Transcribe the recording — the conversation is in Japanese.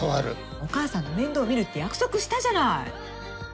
お母さんの面倒見るって約束したじゃない。